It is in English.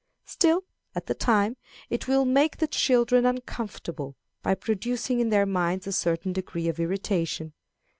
Still, at the time, it will make the children uncomfortable, by producing in their minds a certain degree of irritation.